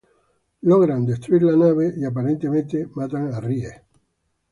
Logran destruir la nave, y aparentemente matan a Rie.